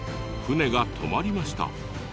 船が止まりました。